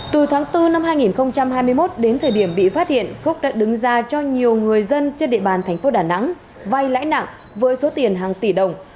từ tháng bốn năm hai nghìn hai mươi một đến thời điểm bị phát hiện phúc đã đứng ra cho nhiều người dân trên địa bàn thành phố đà nẵng vay lãi nặng với số tiền hàng tỷ đồng